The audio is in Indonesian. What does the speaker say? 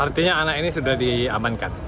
artinya anak ini sudah diamankan